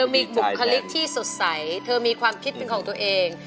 มีบุคลิกที่สดใสเธอมีความคิดเป็นของตัวเอง